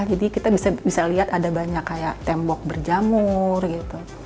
jadi kita bisa lihat ada banyak kayak tembok berjamur gitu